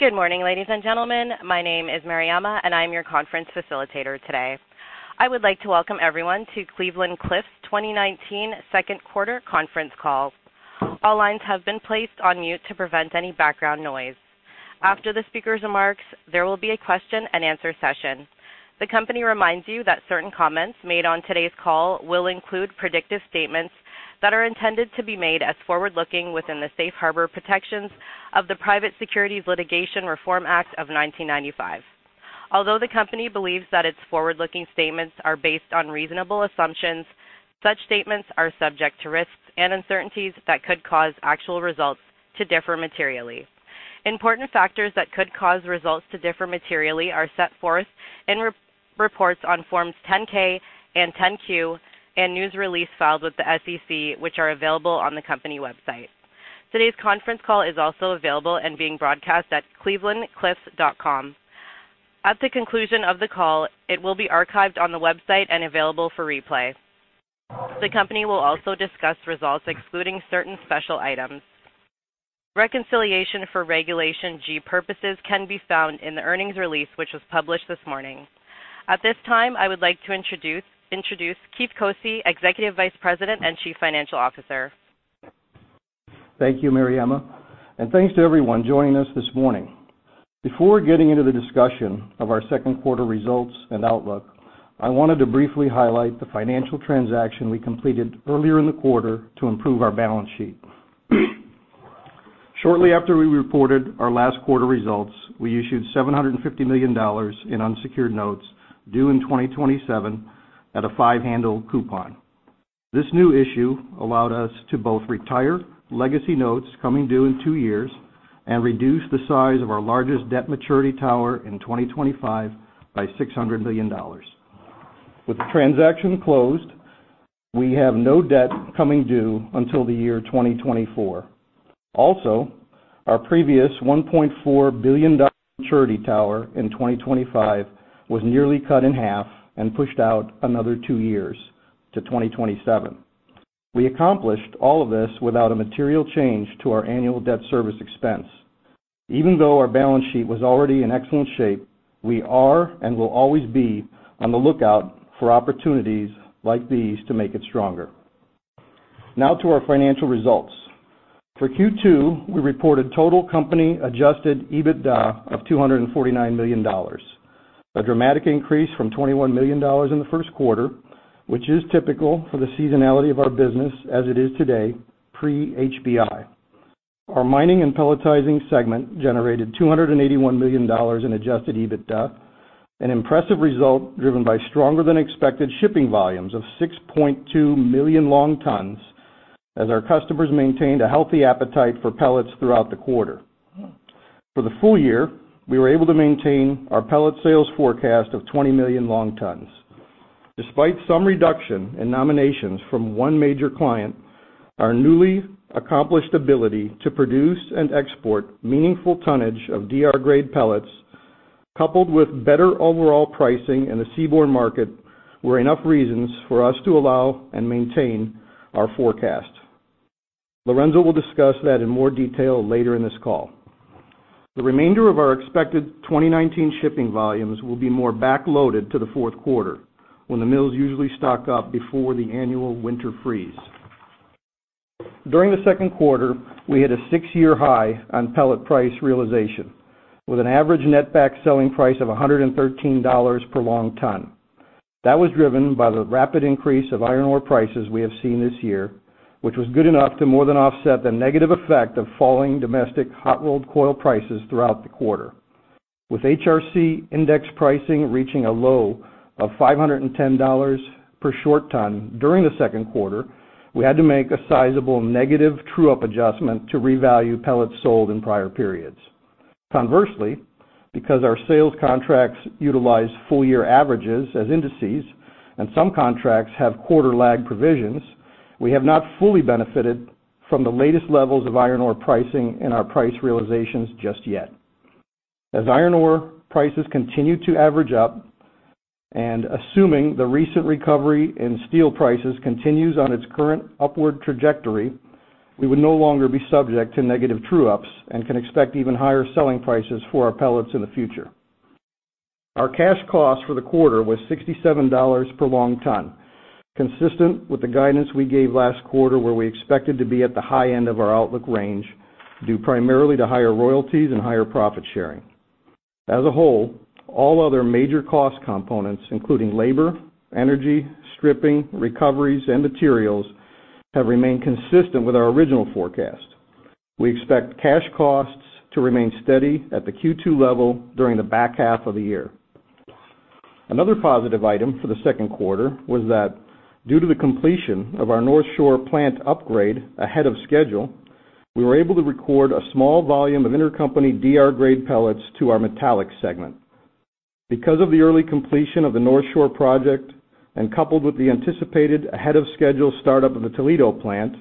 Good morning, ladies and gentlemen. My name is Mariama, and I'm your conference facilitator today. I would like to welcome everyone to Cleveland-Cliffs 2019 second quarter conference call. All lines have been placed on mute to prevent any background noise. After the speaker's remarks, there will be a question-and-answer session. The company reminds you that certain comments made on today's call will include predictive statements that are intended to be made as forward-looking within the safe harbor protections of the Private Securities Litigation Reform Act of 1995. Although the company believes that its forward-looking statements are based on reasonable assumptions, such statements are subject to risks and uncertainties that could cause actual results to differ materially. Important factors that could cause results to differ materially are set forth in reports on Forms 10-K and 10-Q and news release filed with the SEC, which are available on the company website. Today's conference call is also available and being broadcast at clevelandcliffs.com. At the conclusion of the call, it will be archived on the website and available for replay. The company will also discuss results excluding certain special items. Reconciliation for Regulation G purposes can be found in the earnings release, which was published this morning. At this time, I would like to introduce Keith Koci, Executive Vice President and Chief Financial Officer. Thank you, Mariama, and thanks to everyone joining us this morning. Before getting into the discussion of our second quarter results and outlook, I wanted to briefly highlight the financial transaction we completed earlier in the quarter to improve our balance sheet. Shortly after we reported our last quarter results, we issued $750 million in unsecured notes due in 2027 at a five handle coupon. This new issue allowed us to both retire legacy notes coming due in two years and reduce the size of our largest debt maturity tower in 2025 by $600 million. With the transaction closed, we have no debt coming due until the year 2024. Also, our previous $1.4 billion maturity tower in 2025 was nearly cut in half and pushed out another two years to 2027. We accomplished all of this without a material change to our annual debt service expense. Even though our balance sheet was already in excellent shape, we are and will always be on the lookout for opportunities like these to make it stronger. Now to our financial results. For Q2, we reported total company adjusted EBITDA of $249 million, a dramatic increase from $21 million in the first quarter, which is typical for the seasonality of our business as it is today, pre-HBI. Our mining and pelletizing segment generated $281 million in adjusted EBITDA, an impressive result driven by stronger than expected shipping volumes of 6.2 million long tons as our customers maintained a healthy appetite for pellets throughout the quarter. For the full year, we were able to maintain our pellet sales forecast of 20 million long tons. Despite some reduction in nominations from one major client, our newly accomplished ability to produce and export meaningful tonnage of DR-grade pellets, coupled with better overall pricing in the seaborne market, were enough reasons for us to allow and maintain our forecast. Lourenco will discuss that in more detail later in this call. The remainder of our expected 2019 shipping volumes will be more back-loaded to the fourth quarter when the mills usually stock up before the annual winter freeze. During the second quarter, we hit a six-year high on pellet price realization with an average net back selling price of $113 per long ton. That was driven by the rapid increase of iron ore prices we have seen this year, which was good enough to more than offset the negative effect of falling domestic hot rolled coil prices throughout the quarter. With HRC index pricing reaching a low of $510 per short ton during the second quarter, we had to make a sizable negative true-up adjustment to revalue pellets sold in prior periods. Conversely, because our sales contracts utilize full-year averages as indices and some contracts have quarter lag provisions, we have not fully benefited from the latest levels of iron ore pricing in our price realizations just yet. As iron ore prices continue to average up, and assuming the recent recovery in steel prices continues on its current upward trajectory, we would no longer be subject to negative true-ups and can expect even higher selling prices for our pellets in the future. Our cash cost for the quarter was $67 per long ton, consistent with the guidance we gave last quarter, where we expected to be at the high end of our outlook range, due primarily to higher royalties and higher profit sharing. As a whole, all other major cost components, including labor, energy, stripping, recoveries, and materials, have remained consistent with our original forecast. We expect cash costs to remain steady at the Q2 level during the back half of the year. Another positive item for the second quarter was that due to the completion of our Northshore plant upgrade ahead of schedule, we were able to record a small volume of intercompany DR-grade pellets to our metallic segment. Because of the early completion of the Northshore project and coupled with the anticipated ahead of schedule startup of the Toledo plant,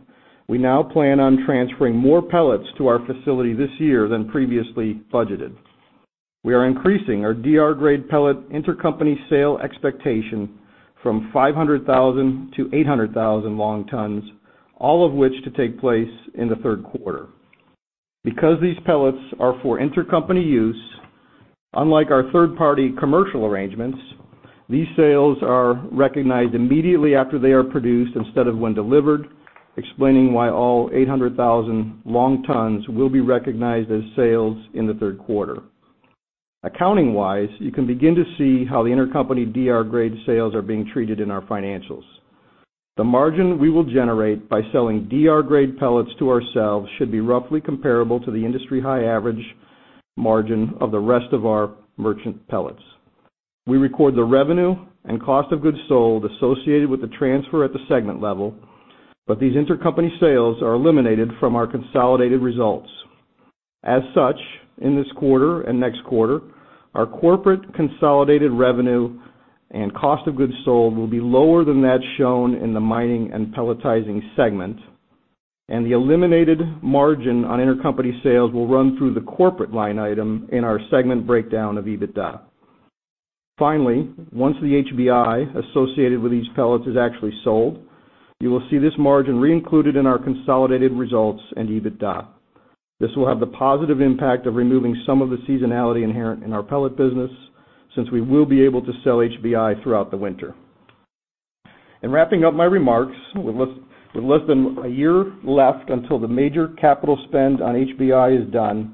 we now plan on transferring more pellets to our facility this year than previously budgeted. We are increasing our DR-grade pellet intercompany sale expectation from 500,000-800,000 long tons, all of which to take place in the third quarter. Because these pellets are for intercompany use, unlike our third-party commercial arrangements, these sales are recognized immediately after they are produced instead of when delivered, explaining why all 800,000 long tons will be recognized as sales in the third quarter. Accounting-wise, you can begin to see how the intercompany DR-grade sales are being treated in our financials. The margin we will generate by selling DR-grade pellets to ourselves should be roughly comparable to the industry high average margin of the rest of our merchant pellets. We record the revenue and cost of goods sold associated with the transfer at the segment level, these intercompany sales are eliminated from our consolidated results. As such, in this quarter and next quarter, our corporate consolidated revenue and cost of goods sold will be lower than that shown in the mining and pelletizing segment, and the eliminated margin on intercompany sales will run through the corporate line item in our segment breakdown of EBITDA. Finally, once the HBI associated with these pellets is actually sold, you will see this margin re-included in our consolidated results and EBITDA. This will have the positive impact of removing some of the seasonality inherent in our pellet business, since we will be able to sell HBI throughout the winter. In wrapping up my remarks, with less than a year left until the major capital spend on HBI is done,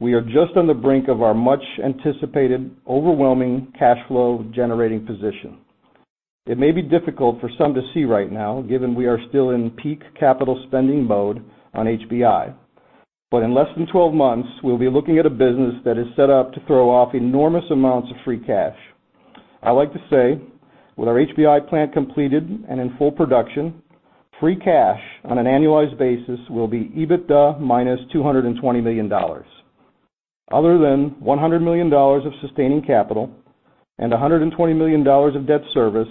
we are just on the brink of our much-anticipated, overwhelming cash flow generating position. It may be difficult for some to see right now, given we are still in peak capital spending mode on HBI. In less than 12 months, we'll be looking at a business that is set up to throw off enormous amounts of free cash. I like to say, with our HBI plant completed and in full production, free cash on an annualized basis will be EBITDA -$220 million. Other than $100 million of sustaining capital and $120 million of debt service,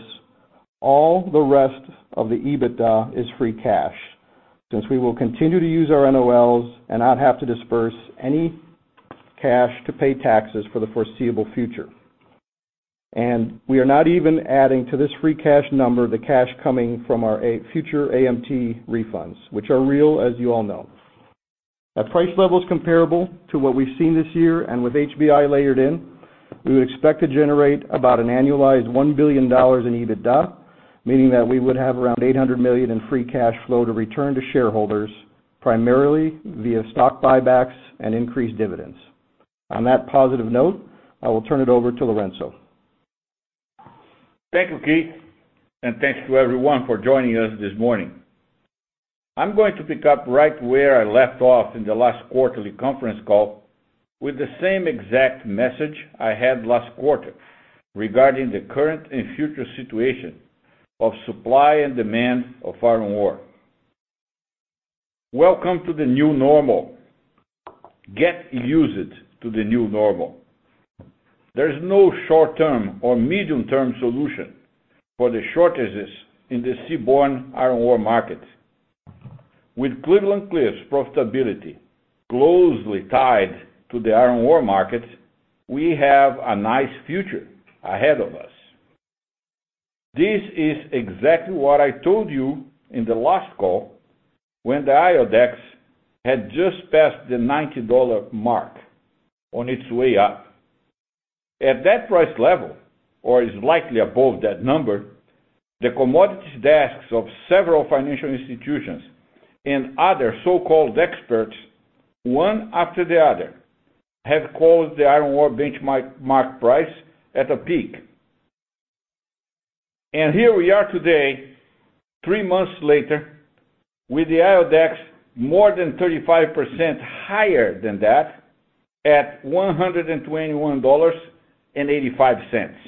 all the rest of the EBITDA is free cash, since we will continue to use our NOLs and not have to disburse any cash to pay taxes for the foreseeable future. We are not even adding to this free cash number the cash coming from our future AMT refunds, which are real, as you all know. At price levels comparable to what we've seen this year and with HBI layered in, we would expect to generate about an annualized $1 billion in EBITDA, meaning that we would have around $800 million in free cash flow to return to shareholders, primarily via stock buybacks and increased dividends. On that positive note, I will turn it over to Lourenco. Thank you, Keith. Thanks to everyone for joining us this morning. I'm going to pick up right where I left off in the last quarterly conference call with the same exact message I had last quarter regarding the current and future situation of supply and demand of iron ore. Welcome to the new normal. Get used to the new normal. There's no short-term or medium-term solution for the shortages in the seaborne iron ore market. With Cleveland-Cliffs' profitability closely tied to the iron ore market, we have a nice future ahead of us. This is exactly what I told you in the last call when the IODEX had just passed the $90 mark on its way up. At that price level, or is likely above that number, the commodities desks of several financial institutions and other so-called experts, one after the other, have called the iron ore benchmark price at a peak. Here we are today, three months later, with the IODEX more than 35% higher than that at $121.85.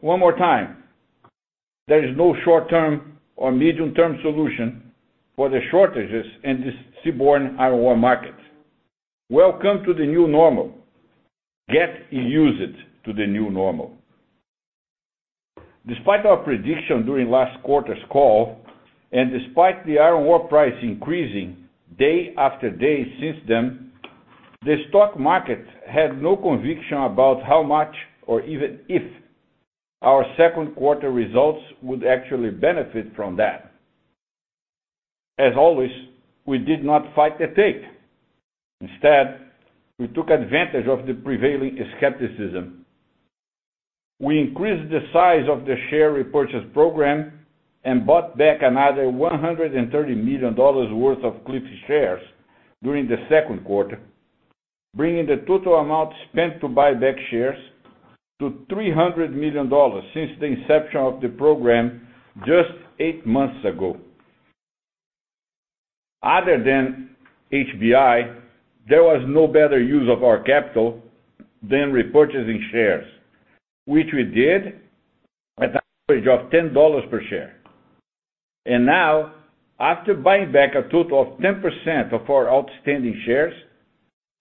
One more time, there is no short-term or medium-term solution for the shortages in the seaborne iron ore market. Welcome to the new normal. Get used to the new normal. Despite our prediction during last quarter's call, and despite the iron ore price increasing day after day since then, the stock market had no conviction about how much or even if our second quarter results would actually benefit from that. As always, we did not fight the tape. Instead, we took advantage of the prevailing skepticism. We increased the size of the share repurchase program and bought back another $130 million worth of Cliffs shares during the second quarter, bringing the total amount spent to buy back shares to $300 million since the inception of the program just eight months ago. Other than HBI, there was no better use of our capital than repurchasing shares, which we did at an average of $10 per share. Now, after buying back a total of 10% of our outstanding shares,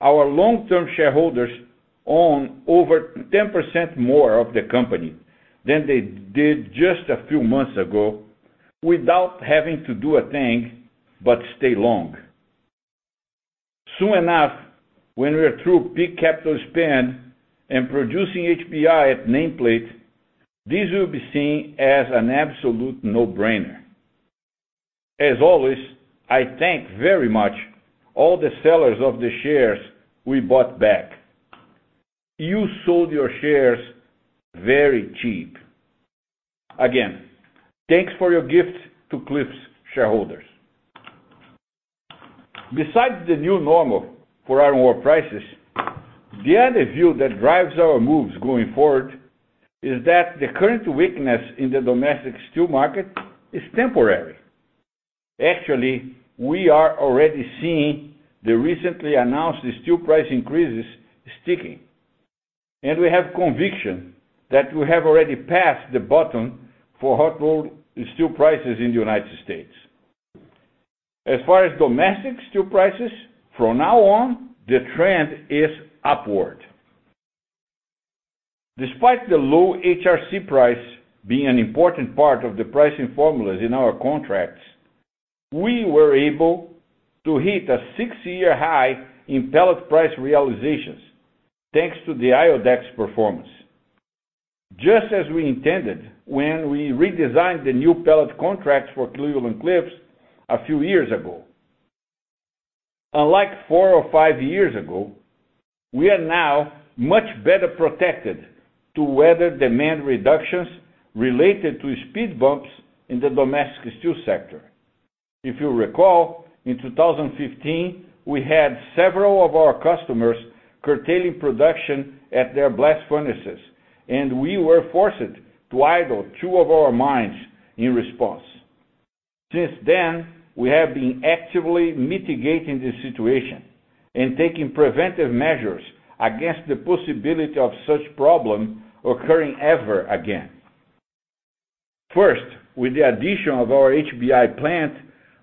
our long-term shareholders own over 10% more of the company than they did just a few months ago. Without having to do a thing but stay long. Soon enough, when we're through peak capital spend and producing HBI at nameplate, this will be seen as an absolute no-brainer. As always, I thank very much all the sellers of the shares we bought back. You sold your shares very cheap. Again, thanks for your gift to Cliffs' shareholders. Besides the new normal for iron ore prices, the other view that drives our moves going forward is that the current weakness in the domestic steel market is temporary. Actually, we are already seeing the recently announced steel price increases sticking, and we have conviction that we have already passed the bottom for hot-rolled steel prices in the U.S. As far as domestic steel prices, from now on, the trend is upward. Despite the low HRC price being an important part of the pricing formulas in our contracts, we were able to hit a six year high in pellet price realizations thanks to the IODEX performance. Just as we intended when we redesigned the new pellet contracts for Cleveland-Cliffs a few years ago. Unlike four or five years ago, we are now much better protected to weather demand reductions related to speed bumps in the domestic steel sector. If you recall, in 2015, we had several of our customers curtailing production at their blast furnaces, and we were forced to idle two of our mines in response. Since then, we have been actively mitigating the situation and taking preventive measures against the possibility of such problem occurring ever again. First, with the addition of our HBI plant,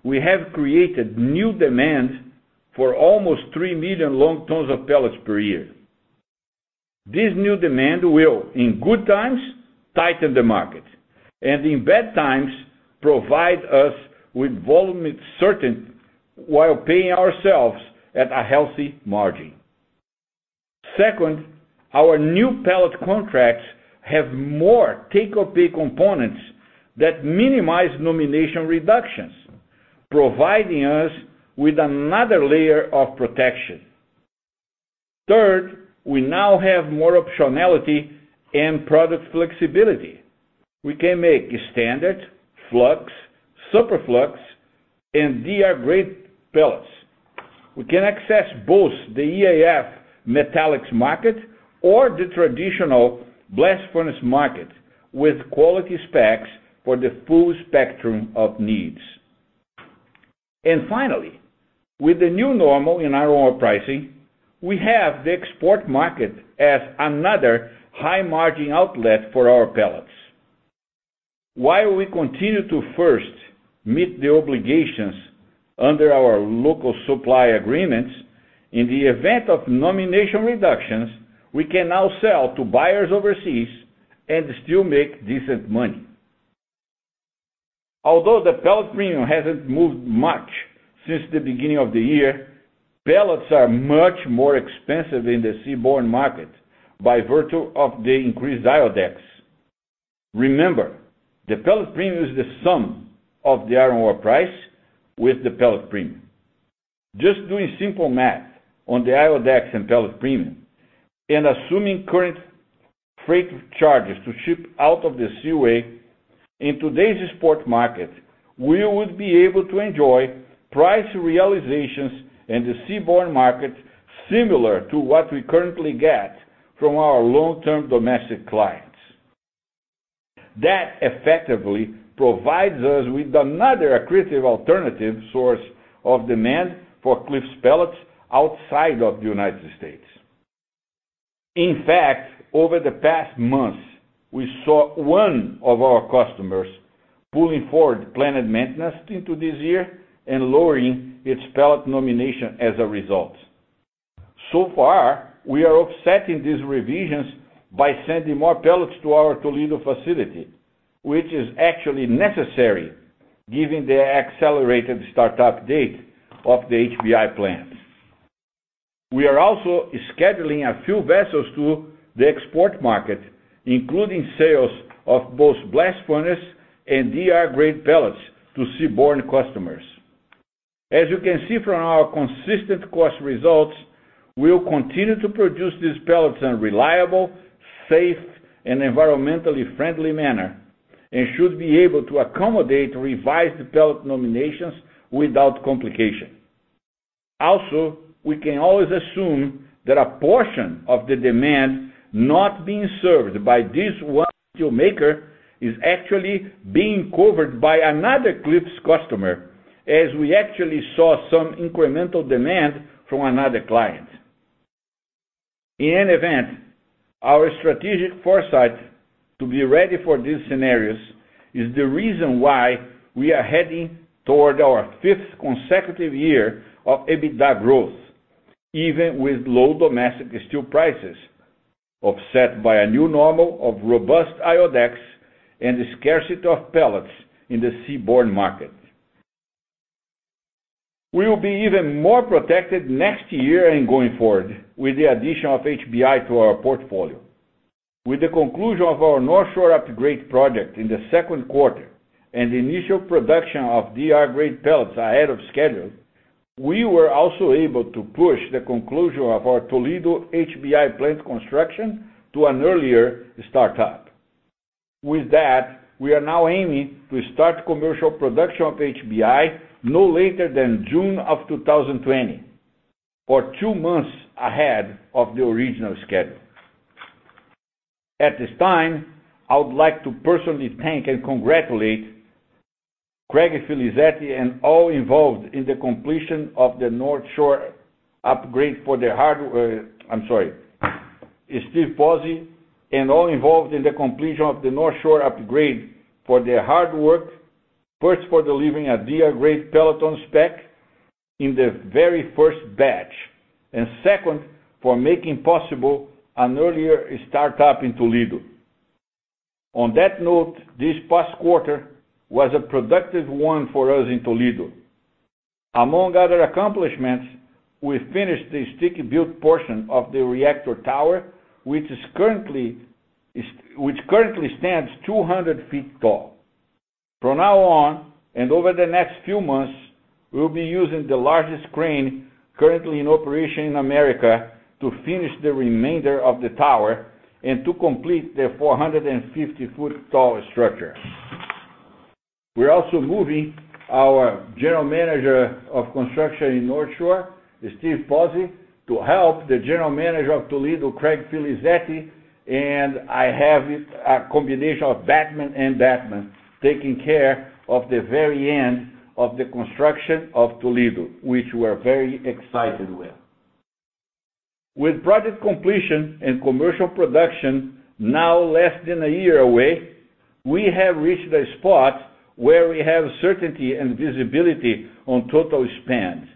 we have created new demand for almost 3 million long tons of pellets per year. This new demand will, in good times, tighten the market, and in bad times, provide us with volume certainty while paying ourselves at a healthy margin. Second, our new pellet contracts have more take-or-pay components that minimize nomination reductions, providing us with another layer of protection. Third, we now have more optionality and product flexibility. We can make standard, flux, superflux, and DR-grade pellets. We can access both the EAF metallics market or the traditional blast furnace market with quality specs for the full spectrum of needs. Finally, with the new normal in iron ore pricing, we have the export market as another high-margin outlet for our pellets. While we continue to first meet the obligations under our local supply agreements, in the event of nomination reductions, we can now sell to buyers overseas and still make decent money. Although the pellet premium hasn't moved much since the beginning of the year, pellets are much more expensive in the seaborne market by virtue of the increased IODEX. Remember, the pellet premium is the sum of the iron ore price with the pellet premium. Just doing simple math on the IODEX and pellet premium, and assuming current freight charges to ship out of the CWA, in today's export market, we would be able to enjoy price realizations in the seaborne market similar to what we currently get from our long-term domestic clients. That effectively provides us with another accretive alternative source of demand for Cliffs pellets outside of the U.S. In fact, over the past months, we saw one of our customers pulling forward planned maintenance into this year and lowering its pellet nomination as a result. So far, we are offsetting these revisions by sending more pellets to our Toledo facility, which is actually necessary given the accelerated startup date of the HBI plant. We are also scheduling a few vessels to the export market, including sales of both blast furnace and DR-grade pellets to seaborne customers. As you can see from our consistent cost results, we'll continue to produce these pellets in a reliable, safe, and environmentally friendly manner and should be able to accommodate revised pellet nominations without complication. Also, we can always assume that a portion of the demand not being served by this one steelmaker is actually being covered by another Cliffs customer, as we actually saw some incremental demand from another client. In any event, our strategic foresight to be ready for these scenarios is the reason why we are heading toward our fifth consecutive year of EBITDA growth, even with low domestic steel prices, offset by a new normal of robust IODEX and the scarcity of pellets in the seaborne market. We will be even more protected next year and going forward with the addition of HBI to our portfolio. With the conclusion of our Northshore upgrade project in the second quarter and initial production of DR-grade pellets ahead of schedule, we were also able to push the conclusion of our Toledo HBI plant construction to an earlier startup. With that, we are now aiming to start commercial production of HBI no later than June 2020, or two months ahead of the original schedule. At this time, I would like to personally thank and congratulate Craig Filizetti and all involved in the completion of the Northshore upgrade for their hard work. Steve Pause and all involved in the completion of the Northshore upgrade for their hard work. First, for delivering a DR-grade pellet on spec in the very first batch. Second, for making possible an earlier startup in Toledo. On that note, this past quarter was a productive one for us in Toledo. Among other accomplishments, we finished the stick built portion of the reactor tower, which currently stands 200 feet tall. From now on and over the next few months, we'll be using the largest crane currently in operation in America to finish the remainder of the tower and to complete the 450 ft tall structure. We're also moving our General Manager of Construction in Northshore, Steve Pause, to help the General Manager of Toledo, Craig Filizetti, and I have a combination of Batman and Batman taking care of the very end of the construction of Toledo, which we're very excited with. With project completion and commercial production now less than a year away, we have reached a spot where we have certainty and visibility on total spend.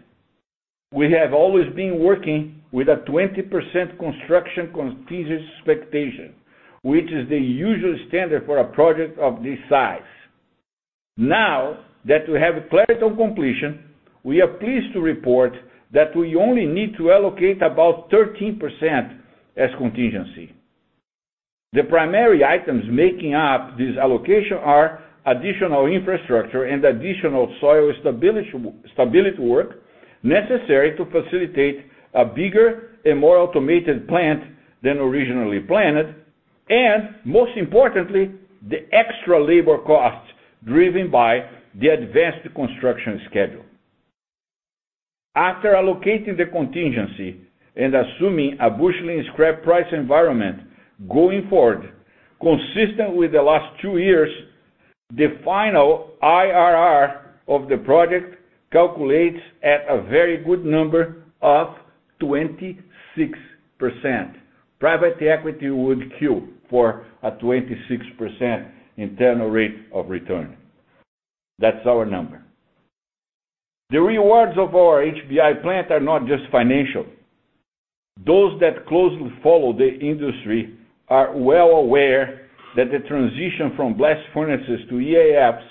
We have always been working with a 20% construction contingency expectation, which is the usual standard for a project of this size. Now that we have clarity on completion, we are pleased to report that we only need to allocate about 13% as contingency. The primary items making up this allocation are additional infrastructure and additional soil stability work necessary to facilitate a bigger and more automated plant than originally planned, and most importantly, the extra labor costs driven by the advanced construction schedule. After allocating the contingency and assuming a bustling scrap price environment going forward, consistent with the last two years, the final IRR of the project calculates at a very good number of 26%. Private equity would kill for a 26% internal rate of return. That's our number. The rewards of our HBI plant are not just financial. Those that closely follow the industry are well aware that the transition from blast furnaces to EAFs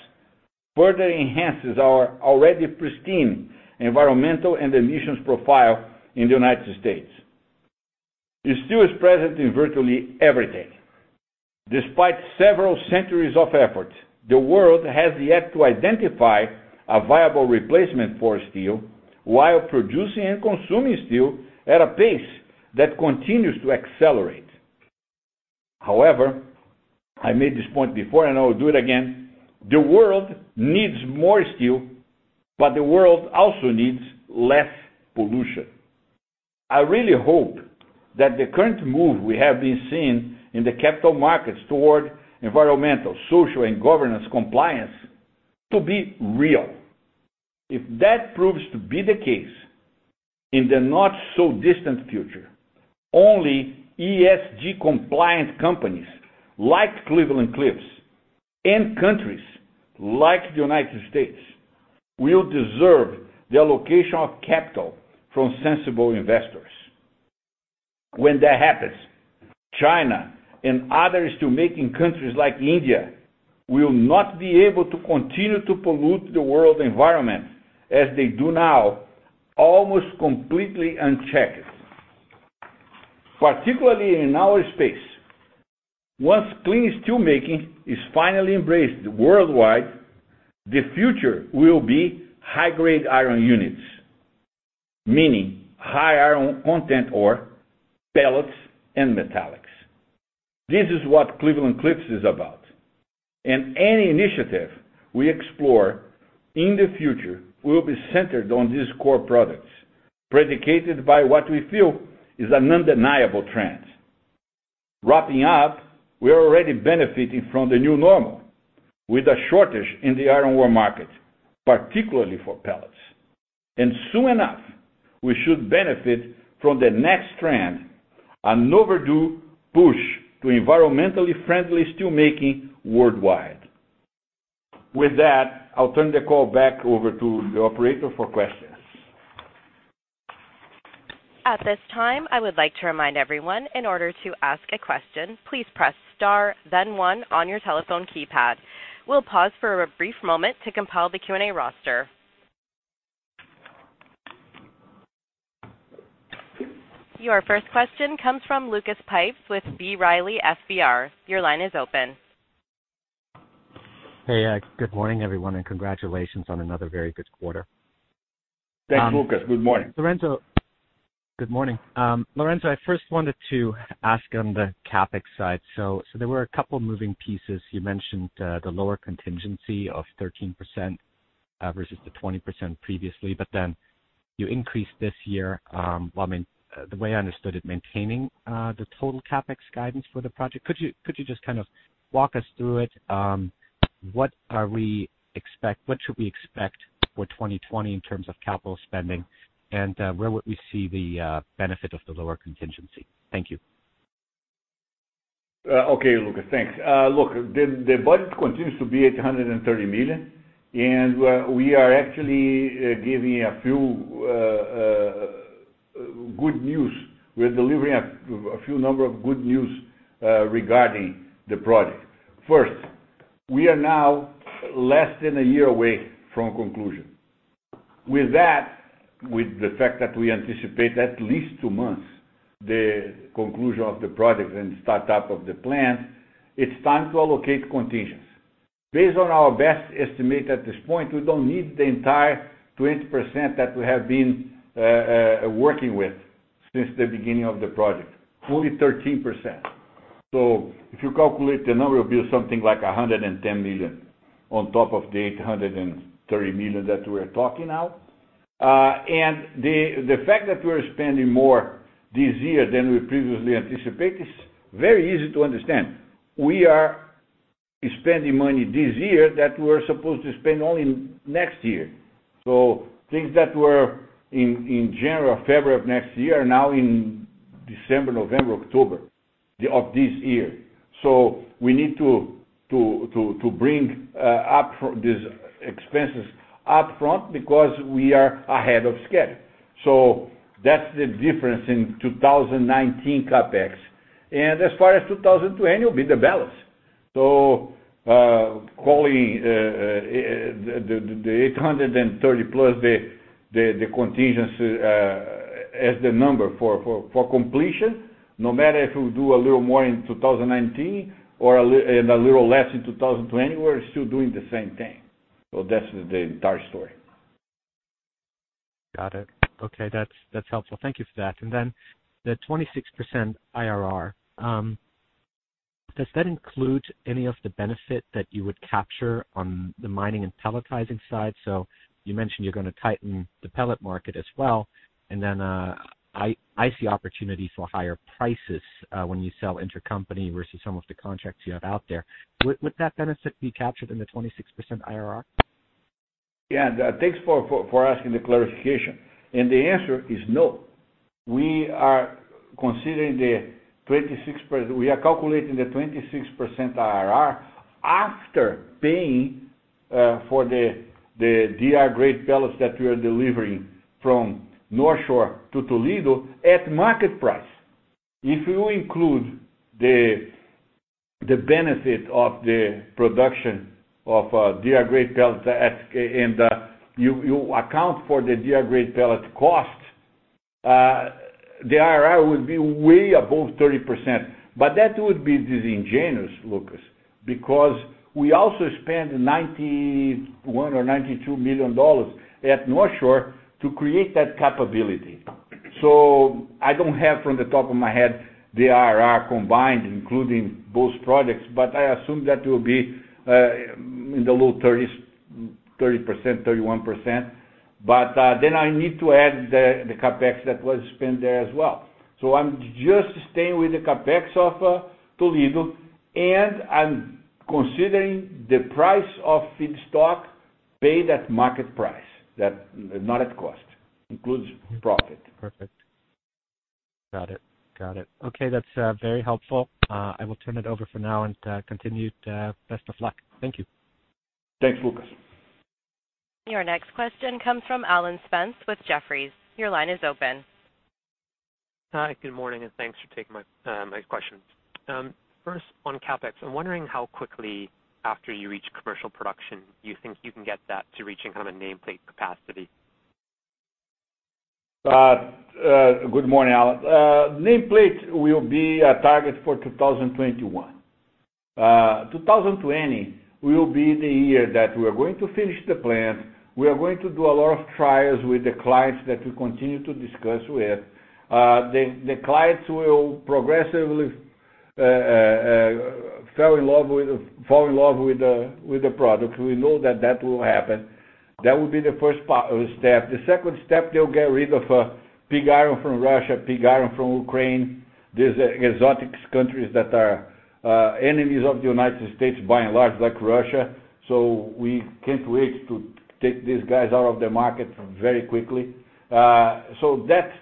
further enhances our already pristine environmental and emissions profile in the U.S. The steel is present in virtually everything. Despite several centuries of effort, the world has yet to identify a viable replacement for steel while producing and consuming steel at a pace that continues to accelerate. However, I made this point before and I will do it again, the world needs more steel, but the world also needs less pollution. I really hope that the current move we have been seeing in the capital markets toward environmental, social, and governance compliance to be real. If that proves to be the case, in the not-so-distant future, only ESG-compliant companies like Cleveland-Cliffs and countries like the U.S. will deserve the allocation of capital from sensible investors. When that happens, China and other steel-making countries like India will not be able to continue to pollute the world environment as they do now, almost completely unchecked. Particularly in our space, once clean steel making is finally embraced worldwide, the future will be high-grade iron units, meaning high iron content ore, pellets, and metallics. This is what Cleveland-Cliffs is about. Any initiative we explore in the future will be centered on these core products, predicated by what we feel is an undeniable trend. Wrapping up, we are already benefiting from the new normal with a shortage in the iron ore market, particularly for pellets. Soon enough, we should benefit from the next trend, an overdue push to environmentally friendly steel making worldwide. With that, I'll turn the call back over to the operator for questions. At this time, I would like to remind everyone, in order to ask a question, please press star then one on your telephone keypad. We'll pause for a brief moment to compile the Q&A roster. Your first question comes from Lucas Pipes with B. Riley FBR. Your line is open. Hey. Good morning, everyone. Congratulations on another very good quarter. Thanks, Lucas. Good morning. Good morning. Lourenco, I first wanted to ask on the CapEx side. There were a couple moving pieces. You mentioned, the lower contingency of 13%, versus the 20% previously. You increased this year, well, the way I understood it, maintaining the total CapEx guidance for the project. Could you just kind of walk us through it? What should we expect for 2020 in terms of capital spending, and where would we see the benefit of the lower contingency? Thank you. Okay, Lucas, thanks. The budget continues to be $830 million. We are actually giving a few good news. We are delivering a few number of good news regarding the project. First, we are now less than a year away from conclusion. With that, with the fact that we anticipate at least two months, the conclusion of the project and startup of the plant, it is time to allocate contingents. Based on our best estimate at this point, we do not need the entire 20% that we have been working with since the beginning of the project, only 13%. If you calculate, the number will be something like $110 million on top of the $830 million that we are talking now. The fact that we are spending more this year than we previously anticipated is very easy to understand. We are spending money this year that we were supposed to spend only next year. Things that were in January or February of next year are now in December, November, October of this year. We need to bring these expenses up front because we are ahead of schedule. That is the difference in 2019 CapEx. As far as 2020, it will be the balance. Calling the $830 million+ the contingency as the number for completion, no matter if we do a little more in 2019 or a little less in 2020, we are still doing the same thing. That is the entire story. Got it. That is helpful. Thank you for that. The 26% IRR, does that include any of the benefit that you would capture on the mining and pelletizing side? You mentioned you are going to tighten the pellet market as well. I see opportunity for higher prices when you sell intercompany versus some of the contracts you have out there. Would that benefit be captured in the 26% IRR? Yeah. Thanks for asking the clarification. The answer is no. We are calculating the 26% IRR after pay for the DR-grade pellets that we are delivering from Northshore to Toledo at market price. If you include the benefit of the production of DR-grade pellets, and you account for the DR-grade pellet cost, the IRR would be way above 30%. That would be disingenuous, Lucas, because we also spent $91 million or $92 million at Northshore to create that capability. I do not have, off the top of my head, the IRR combined, including both projects, but I assume that will be in the low 30s, 30%, 31%. Then I need to add the CapEx that was spent there as well. I am just staying with the CapEx of Toledo, and I am considering the price of feedstock paid at market price, not at cost. Includes profit. Perfect. Got it. Okay. That's very helpful. I will turn it over for now and continued best of luck. Thank you. Thanks, Lucas. Your next question comes from Alan Spence with Jefferies. Your line is open. Hi. Good morning, and thanks for taking my question. First, on CapEx, I'm wondering how quickly after you reach commercial production you think you can get that to reaching kind of a nameplate capacity. Good morning, Alan. Nameplate will be a target for 2021. 2020 will be the year that we're going to finish the plant. We are going to do a lot of trials with the clients that we continue to discuss with. The clients will progressively fall in love with the product. We know that that will happen. That will be the first step. The second step, they'll get rid of pig iron from Russia, pig iron from Ukraine, these exotic countries that are enemies of the United States by and large, like Russia. We can't wait to take these guys out of the market very quickly. That's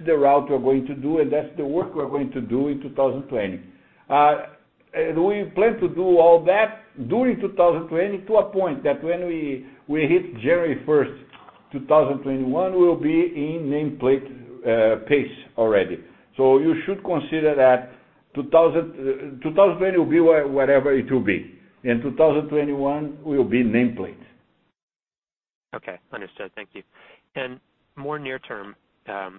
the route we're going to do, and that's the work we're going to do in 2020. We plan to do all that during 2020 to a point that when we hit January 1st, 2021, we will be in nameplate pace already. You should consider that 2020 will be whatever it will be, and 2021 will be nameplate. Okay. Understood. Thank you. More near-term,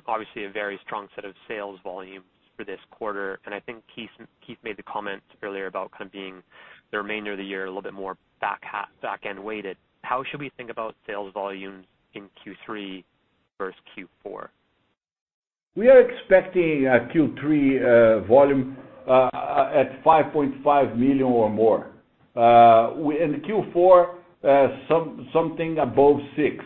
obviously a very strong set of sales volumes for this quarter, and I think Keith made the comment earlier about kind of being the remainder of the year a little bit more back end weighted. How should we think about sales volumes in Q3 versus Q4? We are expecting a Q3 volume at 5.5 million or more. In Q4, something above six.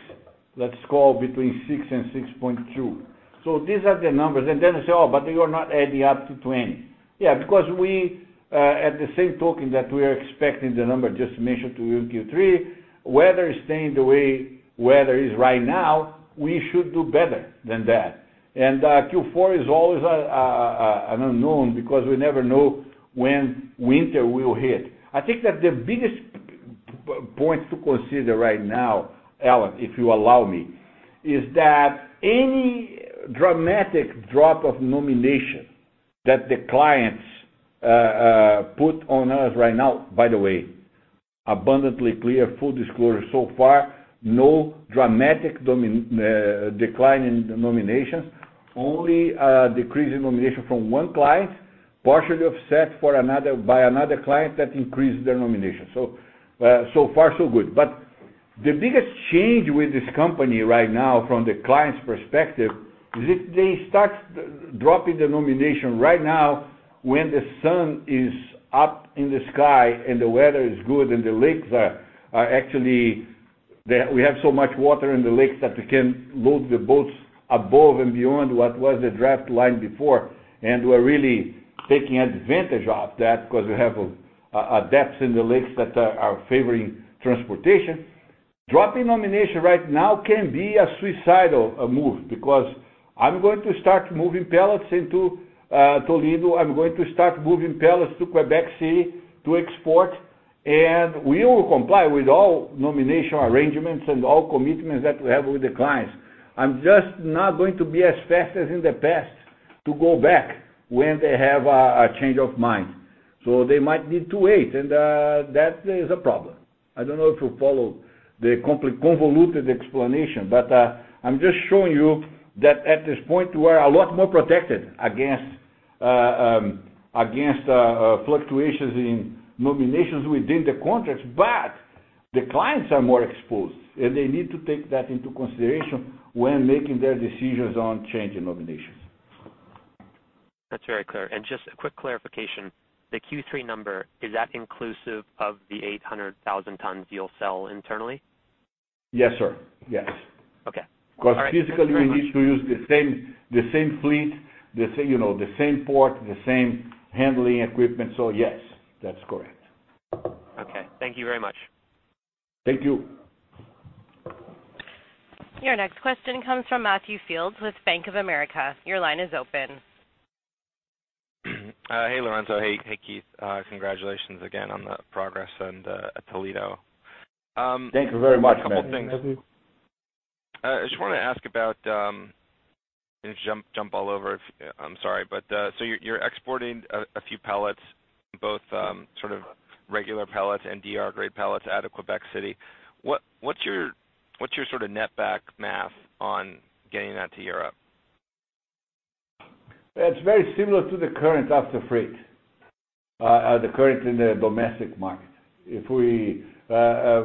Let's call between 6 and 6.2. These are the numbers and then you say, "Oh, but you are not adding up to 20?" Yeah, because at the same token that we are expecting the number just mentioned to you in Q3, weather staying the way weather is right now, we should do better than that. Q4 is always an unknown because we never know when winter will hit. I think that the biggest point to consider right now, Alan, if you allow me, is that any dramatic drop of nomination that the clients put on us right now, by the way, abundantly clear, full disclosure so far, no dramatic decline in the nominations. Only a decrease in nomination from one client, partially offset by another client that increased their nomination. So far so good. The biggest change with this company right now from the client's perspective is if they start dropping the nomination right now when the sun is up in the sky and the weather is good and we have so much water in the lakes that we can load the boats above and beyond what was the draft line before. We're really taking advantage of that because we have a depth in the lakes that are favoring transportation. Dropping nomination right now can be a suicidal move because I'm going to start moving pellets into Toledo, I'm going to start moving pellets to Quebec City to export, and we will comply with all nomination arrangements and all commitments that we have with the clients. I'm just not going to be as fast as in the past to go back when they have a change of mind. They might need to wait, and that is a problem. I don't know if you follow the convoluted explanation, but I'm just showing you that at this point, we're a lot more protected against fluctuations in nominations within the contracts. The clients are more exposed, and they need to take that into consideration when making their decisions on change in nominations. That's very clear. Just a quick clarification, the Q3 number, is that inclusive of the 800,000 tons you'll sell internally? Yes, sir. Yes. Okay. All right. Thank you very much. Physically we need to use the same fleet, the same port, the same handling equipment, so yes, that's correct. Okay. Thank you very much. Thank you. Your next question comes from Matthew Fields with Bank of America. Your line is open. Hey, Lourenco. Hey, Keith. Congratulations again on the progress at Toledo. Thank you very much, Matthew. A couple things. I just want to ask about, going to jump all over, I'm sorry. You're exporting a few pellets, both sort of regular pellets and DR-grade pellets out of Quebec City. What's your sort of net back math on getting that to Europe? It's very similar to the current after freight, the current in the domestic market. Pricing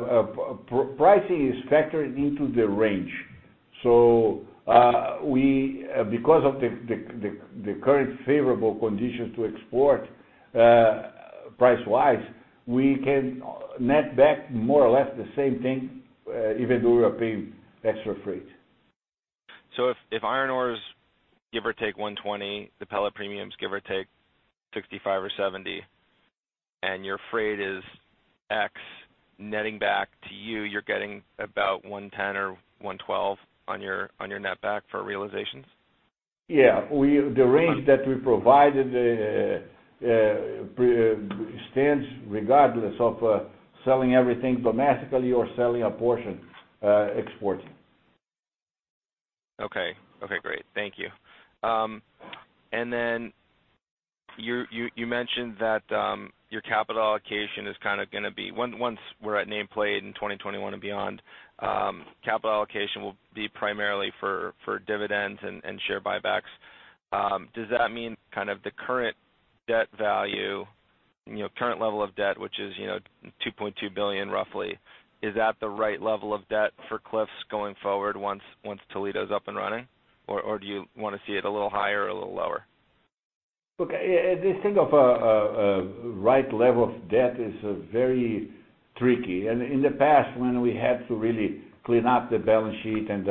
is factored into the range. Because of the current favorable conditions to export, price-wise, we can net back more or less the same thing, even though we are paying extra freight. If iron ore is give or take $120, the pellet premium's give or take $65 or $70, and your freight is X netting back to you're getting about $110 or $112 on your net back for realizations? Yeah. The range that we provided stands regardless of selling everything domestically or selling a portion exporting. Okay. Great. Thank you. You mentioned that your capital allocation is kind of going to be, once we're at nameplate in 2021 and beyond, capital allocation will be primarily for dividends and share buybacks. Does that mean kind of the current level of debt, which is $2.2 billion roughly, is that the right level of debt for Cliffs going forward once Toledo's up and running? Or do you want to see it a little higher or a little lower? Look, this thing of a right level of debt is very tricky. In the past, when we had to really clean up the balance sheet and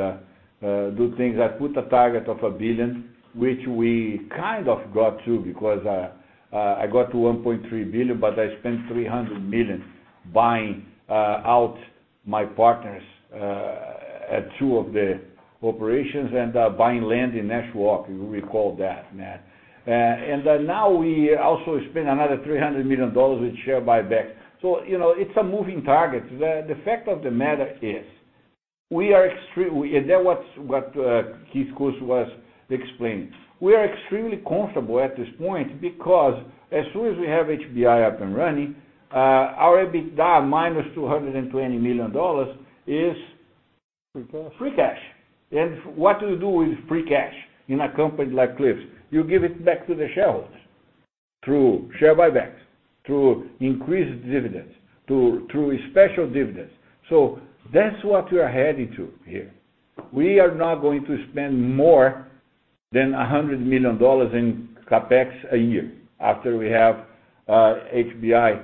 do things, I put a target of $1 billion, which we kind of got to because I got to $1.3 billion, I spent $300 million buying out my partners at two of the operations and buying land in Nashwauk, you recall that, Matt. Now we also spend another $300 million with share buyback. It's a moving target. The fact of the matter is, that was what Keith Koci was explaining. We are extremely comfortable at this point because as soon as we have HBI up and running, our EBITDA -$220 million is. Free cash Free cash. What do you do with free cash in a company like Cliffs? You give it back to the shareholders through share buybacks, through increased dividends, through special dividends. That's what we are heading to here. We are not going to spend more than $100 million in CapEx a year after we have HBI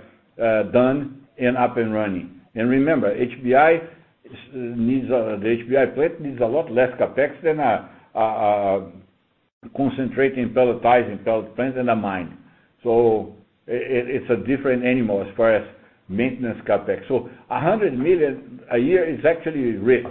done and up and running. Remember, the HBI plant needs a lot less CapEx than a concentrating pelletizing pellet plant and a mine. It's a different animal as far as maintenance CapEx. $100 million a year is actually rich,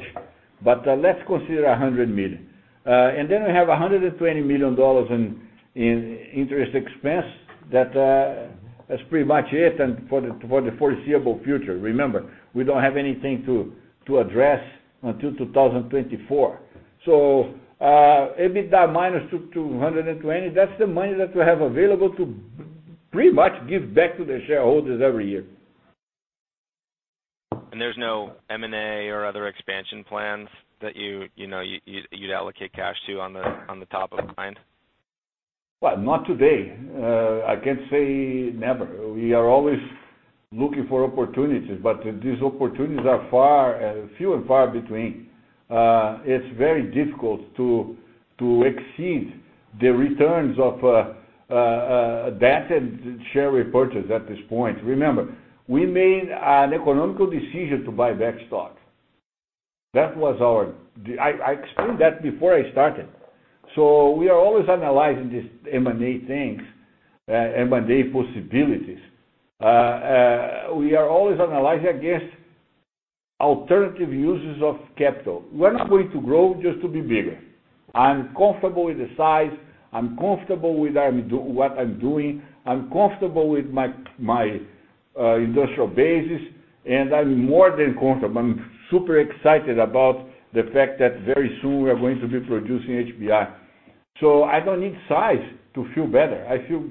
but let's consider $100 million. We have $120 million in interest expense. That's pretty much it and for the foreseeable future. Remember, we don't have anything to address until 2024. EBITDA -$220, that's the money that we have available to pretty much give back to the shareholders every year. There's no M&A or other expansion plans that you'd allocate cash to on the top of mind? Well, not today. I can't say never. We are always looking for opportunities, but these opportunities are few and far between. It's very difficult to exceed the returns of debt and share repurchase at this point. Remember, we made an economical decision to buy back stock. I explained that before I started. We are always analyzing these M&A things, M&A possibilities. We are always analyzing against alternative uses of capital. We're not going to grow just to be bigger. I'm comfortable with the size. I'm comfortable with what I'm doing. I'm comfortable with my industrial bases, and I'm more than comfortable, I'm super excited about the fact that very soon we are going to be producing HBI. I don't need size to feel better. I feel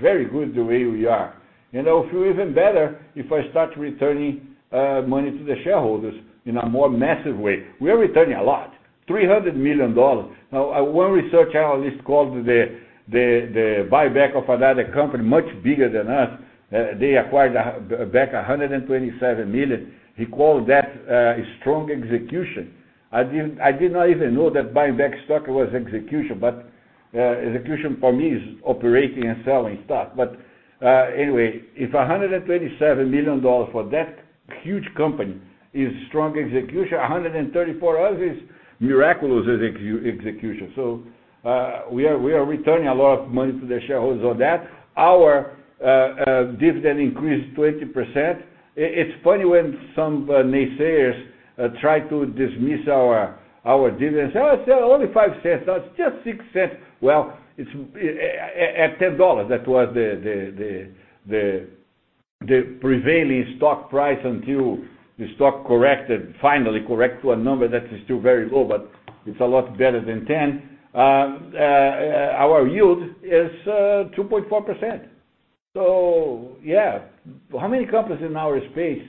very good the way we are, and I'll feel even better if I start returning money to the shareholders in a more massive way. We are returning a lot, $300 million. One research analyst called the buyback of another company much bigger than us, they acquired back $127 million. He called that a strong execution. I did not even know that buying back stock was execution, but execution for me is operating and selling stock. Anyway, if $127 million for that huge company is strong execution, $134 million for us is miraculous execution. We are returning a lot of money to the shareholders on that. Our dividend increased 20%. It's funny when some naysayers try to dismiss our dividends. "Oh, it's only $0.05. Oh, it's just $0.06." Well, it's at $10, that was the prevailing stock price until the stock corrected, finally correct to a number that is still very low, but it's a lot better than $10. Our yield is 2.4%. How many companies in our space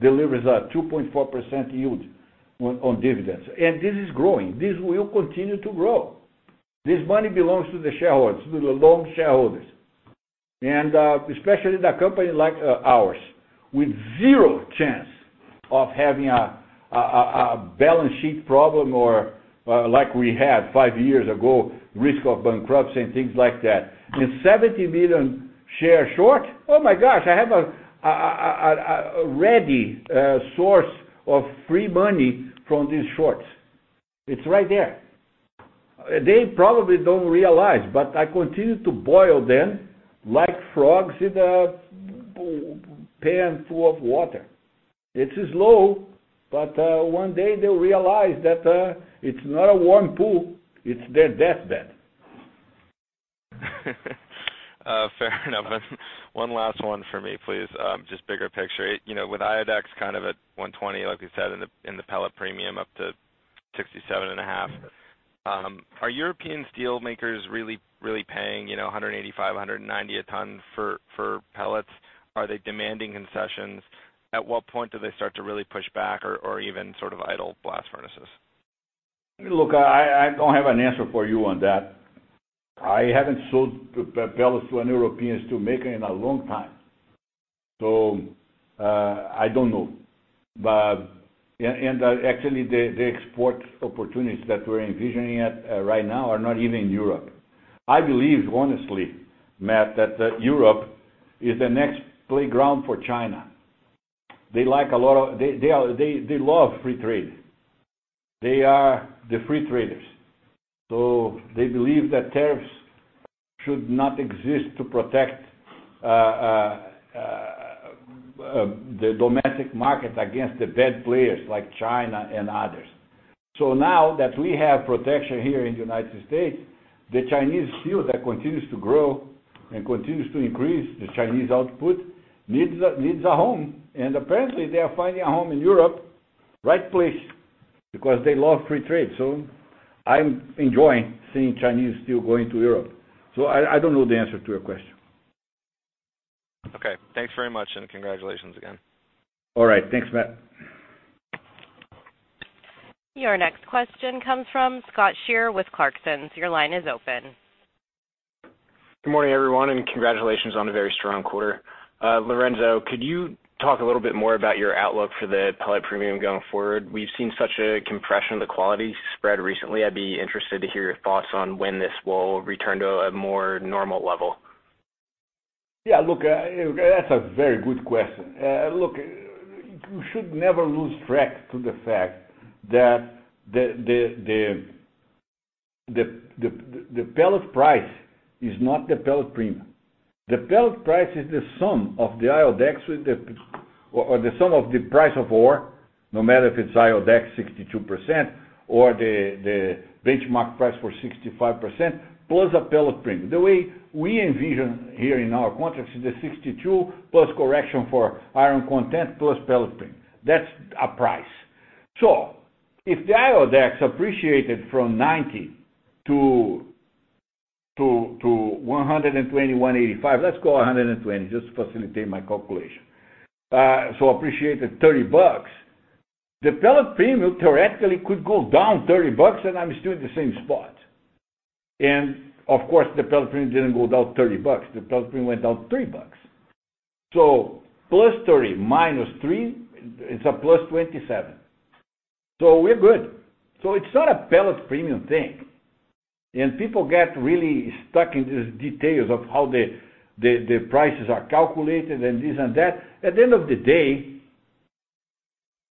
delivers a 2.4% yield on dividends? This is growing. This will continue to grow. This money belongs to the shareholders, to the long shareholders. Especially in a company like ours, with zero chance of having a balance sheet problem or like we had five years ago, risk of bankruptcy and things like that. 70 million shares short? Oh my gosh, I have a ready source of free money from these shorts. It's right there. They probably don't realize, I continue to boil them like frogs in a pan full of water. It's slow, one day they'll realize that it's not a warm pool, it's their deathbed. Fair enough. One last one for me, please. Just bigger picture. With IODEX kind of at $120, like we said, in the pellet premium up to $67.5. Are European steelmakers really paying $185, $190 a ton for pellets? Are they demanding concessions? At what point do they start to really push back or even sort of idle blast furnaces? Look, I don't have an answer for you on that. I haven't sold pellets to an European steelmaker in a long time, I don't know. Actually the export opportunities that we're envisioning right now are not even in Europe. I believe, honestly, Matt, that Europe is the next playground for China. They love free trade. They are the free traders. They believe that tariffs should not exist to protect the domestic market against the bad players like China and others. Now that we have protection here in the U.S., the Chinese steel that continues to grow and continues to increase the Chinese output needs a home. Apparently, they are finding a home in Europe. Right place, because they love free trade. I'm enjoying seeing Chinese steel going to Europe. I don't know the answer to your question. Okay. Thanks very much, and congratulations again. All right. Thanks, Matt. Your next question comes from Scott Schier with Clarksons. Your line is open. Good morning, everyone, and congratulations on a very strong quarter. Lourenco, could you talk a little bit more about your outlook for the pellet premium going forward? We've seen such a compression of the quality spread recently. I'd be interested to hear your thoughts on when this will return to a more normal level. Look, that's a very good question. Look, you should never lose track to the fact that the pellet price is not the pellet premium. The pellet price is the sum of the IODEX with the, or the sum of the price of ore, no matter if it's IODEX 62%, or the benchmark price for 65%, plus a pellet premium. The way we envision here in our contracts is the 62+ correction for iron content, plus pellet premium. That's a price. If the IODEX appreciated from $90-$120, $185, let's go 120 just to facilitate my calculation. Appreciated $30. The pellet premium theoretically could go down $30 and I'm still at the same spot. Of course, the pellet premium didn't go down $30. The pellet premium went down $3. +30, -3, it's a +27. We're good. It's not a pellet premium thing. People get really stuck in these details of how the prices are calculated and this and that. At the end of the day,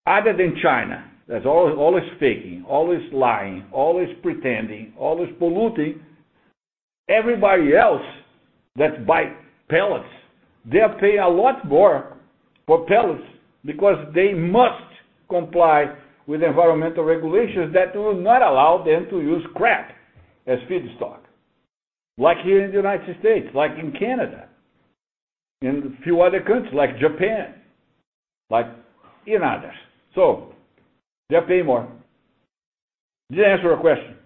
other than China, that's always faking, always lying, always pretending, always polluting. Everybody else that buy pellets, they pay a lot more for pellets because they must comply with environmental regulations that will not allow them to use crap as feedstock. Like here in the U.S., like in Canada, and a few other countries like Japan, like in others. They pay more. Did I answer your question?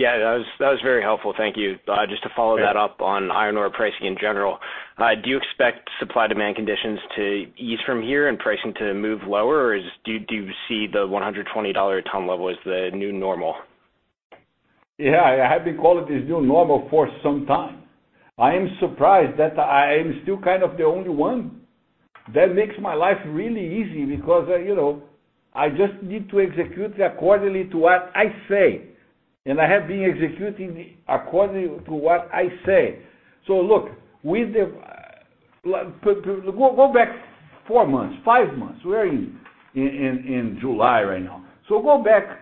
That was very helpful. Thank you. Just to follow that up on iron ore pricing in general, do you expect supply-demand conditions to ease from here and pricing to move lower, or do you see the $120 a ton level as the new normal? I have been calling this new normal for some time. I am surprised that I am still kind of the only one. That makes my life really easy because I just need to execute accordingly to what I say. I have been executing according to what I say. Look, go back four months, five months. We're in July right now. Go back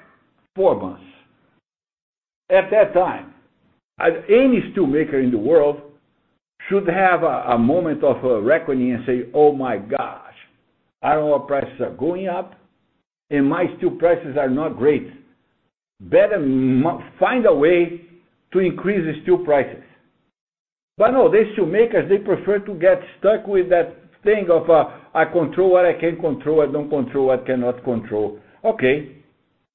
four months. At that time, any steel maker in the world should have a moment of reckoning and say, "Oh, my gosh, iron ore prices are going up, and my steel prices are not great. Better find a way to increase the steel prices." No, the steel makers, they prefer to get stuck with that thing of, "I control what I can control. I don't control what cannot control." Okay.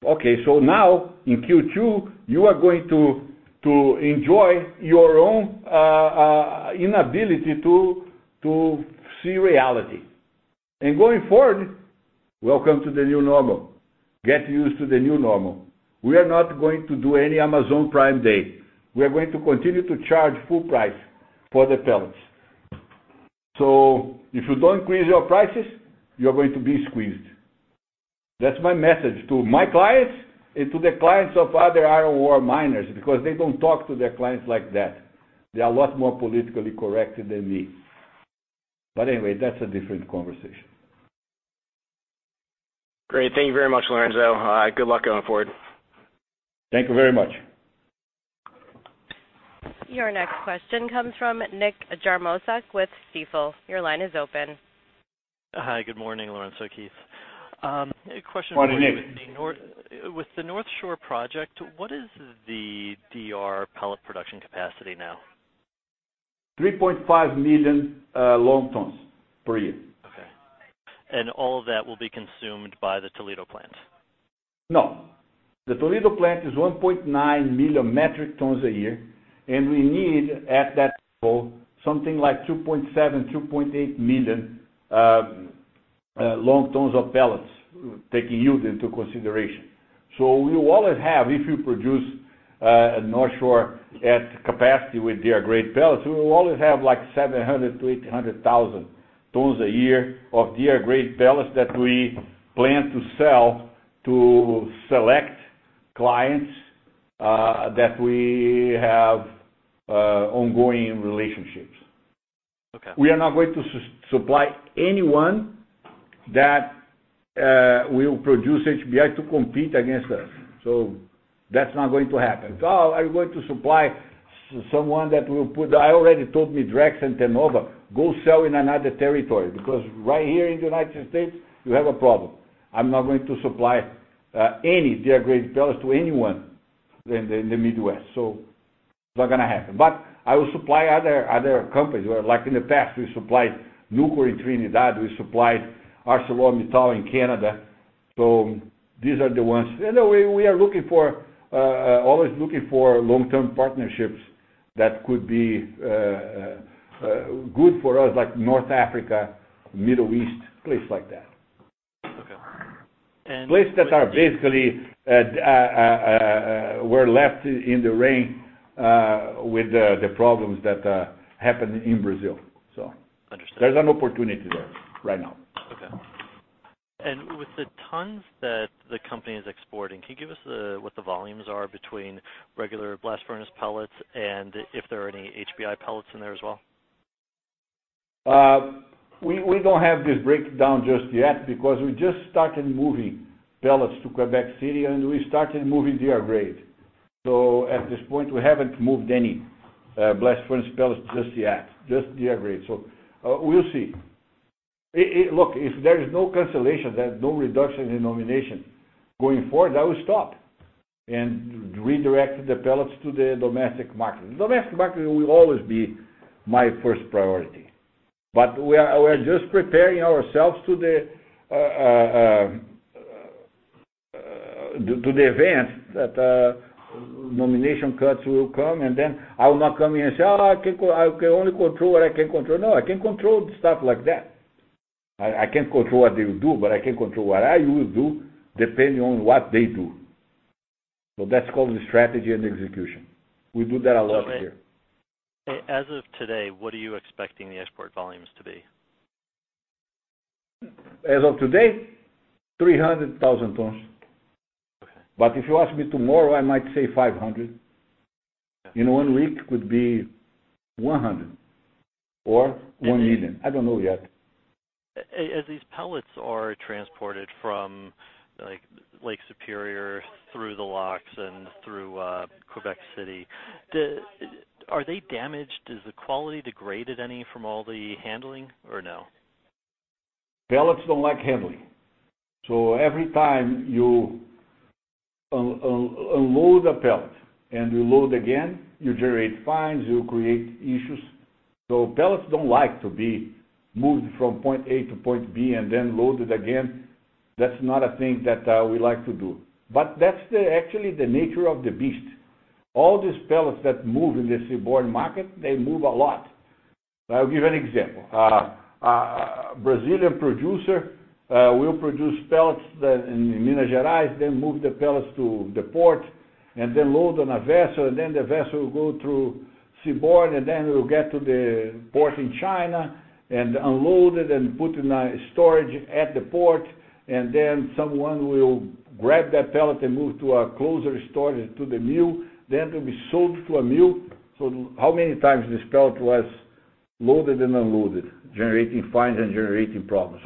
Now in Q2, you are going to enjoy your own inability to see reality. Going forward, welcome to the new normal. Get used to the new normal. We are not going to do any Amazon Prime Day. We are going to continue to charge full price for the pellets. If you don't increase your prices, you're going to be squeezed. That's my message to my clients and to the clients of other iron ore miners, because they don't talk to their clients like that. They are a lot more politically correct than me. Anyway, that's a different conversation. Great. Thank you very much, Lourenco. Good luck going forward. Thank you very much. Your next question comes from Nick Jarmoszuk with Stifel. Your line is open. Hi, good morning, Lourenco, Keith. Morning, Nick. Question for you. With the Northshore project, what is the DR pellet production capacity now? 3.5 million long tons per year. Okay. All of that will be consumed by the Toledo plant? No. The Toledo plant is 1.9 million metric tons a year, and we need, at that something like 2.7 million, 2.8 million long tons of pellets, taking yield into consideration. We will always have, if you produce Northshore at capacity with DR-grade pellets, we will always have like 700,000-800,000 tons a year of DR-grade pellets that we plan to sell to select clients that we have ongoing relationships. Okay. We are not going to supply anyone that will produce HBI to compete against us. That's not going to happen. Are you going to supply someone that will put I already told Midrex and Tenova, go sell in another territory, because right here in the United States, you have a problem. I'm not going to supply any DR-grade pellets to anyone in the Midwest. It's not going to happen. I will supply other companies, where like in the past, we supplied Nucor in Trinidad, we supplied ArcelorMittal in Canada. These are the ones. We are always looking for long-term partnerships that could be good for us, like North Africa, Middle East, places like that. Okay. Places that are basically were left in the rain with the problems that happened in Brazil. Understood. There's an opportunity there right now. Okay. With the tons that the company is exporting, can you give us what the volumes are between regular blast furnace pellets, and if there are any HBI pellets in there as well? We don't have this breakdown just yet because we just started moving pellets to Quebec City, and we started moving DR-grade. At this point, we haven't moved any blast furnace pellets just yet, just DR-grade. We'll see. Look, if there is no cancellation, there's no reduction in nomination going forward, that will stop, and redirect the pellets to the domestic market. Domestic market will always be my first priority. We're just preparing ourselves to the events that nomination cuts will come, and then I will not come here and say, "Oh, I can only control what I can control." No, I can't control stuff like that. I can't control what they will do, but I can control what I will do depending on what they do. That's called the strategy and execution. We do that a lot here. As of today, what are you expecting the export volumes to be? As of today, 300,000 tons. Okay. If you ask me tomorrow, I might say 500. In one week, could be 100 or 1 million. I don't know yet. As these pellets are transported from Lake Superior through the locks and through Quebec City, are they damaged? Is the quality degraded any from all the handling or no? Pellets don't like handling. Every time you unload a pellet and you load again, you generate fines, you create issues. Pellets don't like to be moved from point A to point B and then loaded again. That's not a thing that we like to do. That's actually the nature of the beast. All these pellets that move in the seaborne market, they move a lot. I'll give an example. A Brazilian producer will produce pellets in Minas Gerais, then move the pellets to the port, and then load on a vessel, and then the vessel will go through seaborne, and then it'll get to the port in China and unloaded and put in a storage at the port, and then someone will grab that pellet and move to a closer storage to the mill, then to be sold to a mill. How many times this pellet was loaded and unloaded, generating fines and generating problems.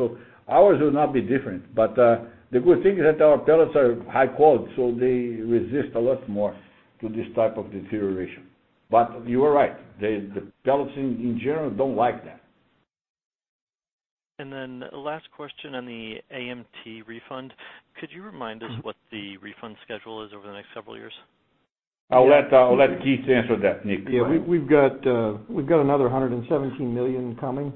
Ours will not be different. The good thing is that our pellets are high quality, so they resist a lot more to this type of deterioration. You are right. The pellets in general don't like that. Last question on the AMT refund. Could you remind us what the refund schedule is over the next several years? I'll let Keith answer that, Nick. Yeah. We've got another $117 million coming.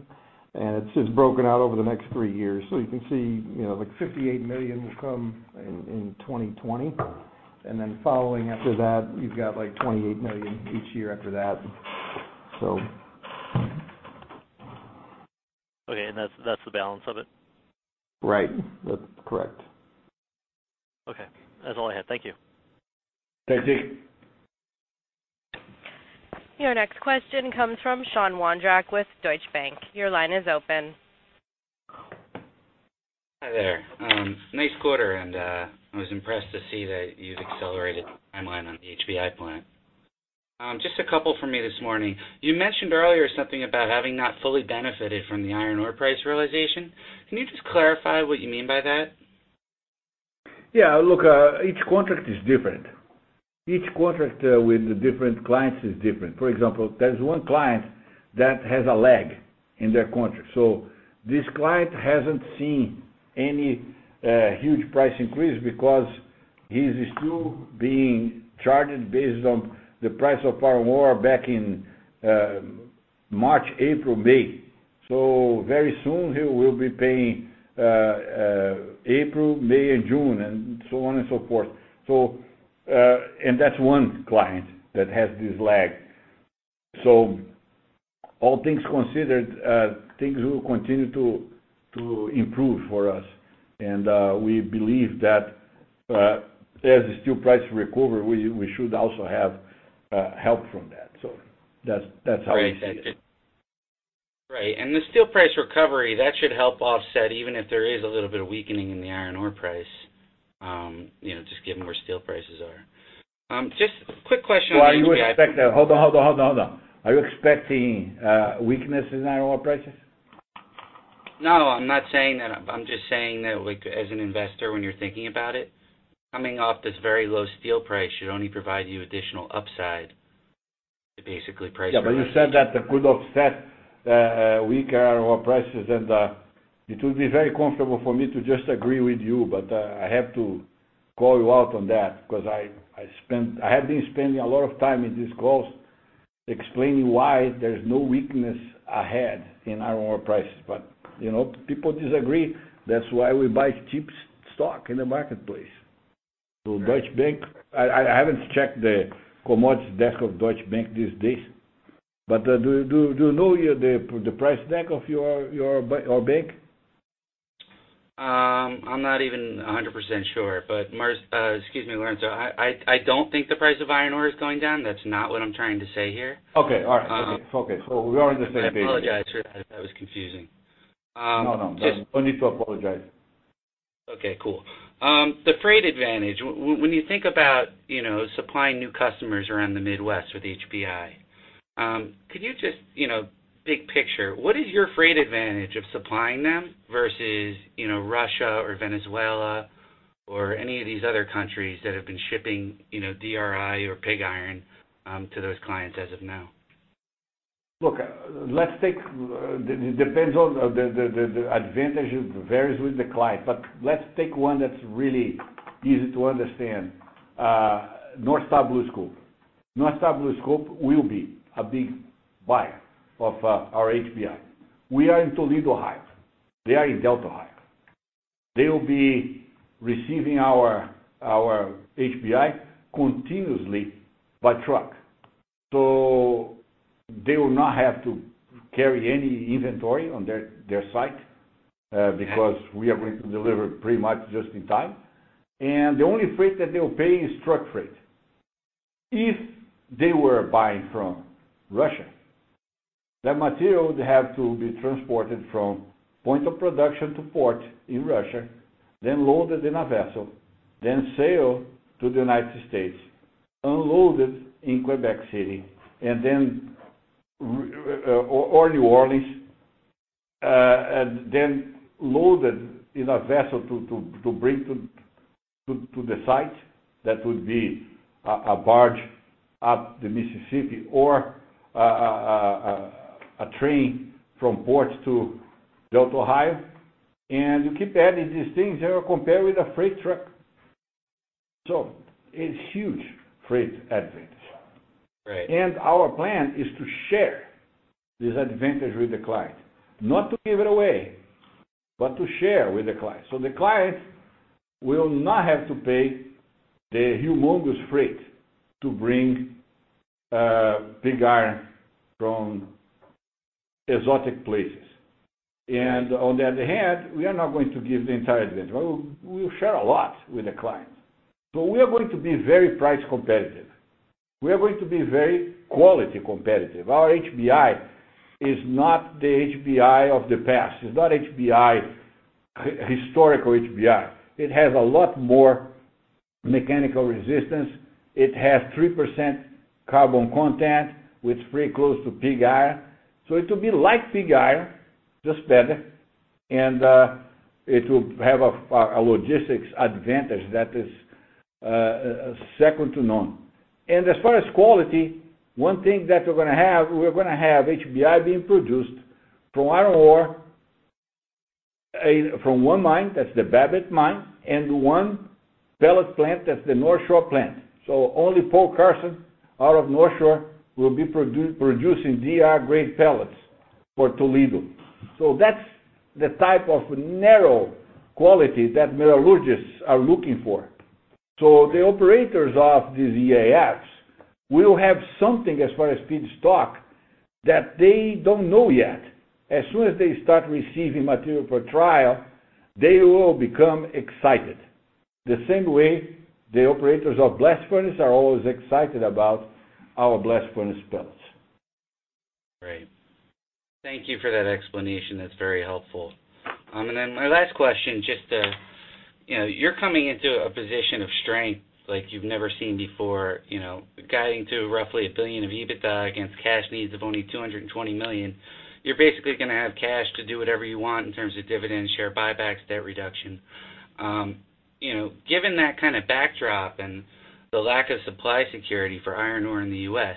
It's just broken out over the next three years. You can see, like $58 million will come in 2020. Following after that, you've got like $28 million each year after that, so. Okay. That's the balance of it? Right. That's correct. Okay. That's all I had. Thank you. Thanks, Nick. Your next question comes from Sean Wondrack with Deutsche Bank. Your line is open. Hi there. Nice quarter, and I was impressed to see that you've accelerated the timeline on the HBI plant. Just a couple from me this morning. You mentioned earlier something about having not fully benefited from the iron ore price realization. Can you just clarify what you mean by that? Yeah. Look, each contract is different. Each contract with the different clients is different. For example, there's one client that has a lag in their contract. This client hasn't seen any huge price increase because he's still being charged based on the price of iron ore back in March, April, May. Very soon, he will be paying April, May, and June, and so on and so forth. That's one client that has this lag. All things considered, things will continue to improve for us. We believe that as the steel price recover, we should also have help from that. That's how we see it. Right. The steel price recovery, that should help offset, even if there is a little bit of weakening in the iron ore price, just given where steel prices are. Just quick question on HBI. Are you expecting weakness in iron ore prices? No, I'm not saying that. I'm just saying that, as an investor, when you're thinking about it, coming off this very low steel price should only provide you additional upside to basically price. Yeah, you said that could offset weaker ore prices and it will be very comfortable for me to just agree with you, but I have to call you out on that because I have been spending a lot of time in these calls explaining why there's no weakness ahead in iron ore prices. People disagree. That's why we buy cheap stock in the marketplace. Deutsche Bank, I haven't checked the commodity desk of Deutsche Bank these days, but do you know the price deck of your bank? I'm not even 100% sure, but, excuse me, Lourenco, I don't think the price of iron ore is going down. That's not what I'm trying to say here. Okay. All right. Okay. We are on the same page. I apologize for that if that was confusing. No, no. No need to apologize. Okay, cool. The freight advantage. When you think about supplying new customers around the Midwest with HBI, could you just, big picture, what is your freight advantage of supplying them versus Russia or Venezuela or any of these other countries that have been shipping DRI or pig iron to those clients as of now? Look, the advantage varies with the client. Let's take one that's really easy to understand. North Star BlueScope. North Star BlueScope will be a big buyer of our HBI. We are in Toledo, Ohio. They are in Delta, Ohio. They will be receiving our HBI continuously by truck. They will not have to carry any inventory on their site, because we are going to deliver pretty much just in time. The only freight that they'll pay is truck freight. If they were buying from Russia, that material would have to be transported from point of production to port in Russia, then loaded in a vessel, then sail to the U.S., unloaded in Quebec City or New Orleans, and then loaded in a vessel to bring to the site. That would be a barge up the Mississippi or a train from ports to Delta, Ohio. You keep adding these things there compared with a freight truck. It's huge freight advantage. Right. Our plan is to share this advantage with the client. Not to give it away, but to share with the client. The client will not have to pay the humongous freight to bring pig iron from exotic places. On the other hand, we are not going to give the entire advantage. We'll share a lot with the client, we are going to be very price competitive. We are going to be very quality competitive. Our HBI is not the HBI of the past. It's not historical HBI. It has a lot more mechanical resistance. It has 3% carbon content, which is pretty close to pig iron. It will be like pig iron, just better, and it will have a logistics advantage that is second to none. As far as quality, one thing that we're going to have HBI being produced from iron ore, from one mine, that's the Babbitt mine, and one pellet plant, that's the Northshore plant. Only Paul Carson out of Northshore will be producing DR-grade pellets for Toledo. That's the type of narrow quality that metallurgists are looking for. The operators of these EAFs will have something as far as feedstock that they don't know yet. As soon as they start receiving material for trial, they will become excited. The same way the operators of blast furnace are always excited about our blast furnace pellets. Great. Thank you for that explanation. That's very helpful. My last question, just, you're coming into a position of strength like you've never seen before, guiding to roughly $1 billion of EBITDA against cash needs of only $220 million. You're basically going to have cash to do whatever you want in terms of dividends, share buybacks, debt reduction. Given that kind of backdrop and the lack of supply security for iron ore in the U.S.,